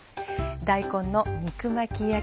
「大根の肉巻き焼き」。